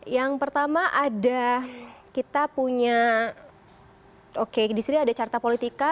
yang pertama ada kita punya oke di sini ada carta politika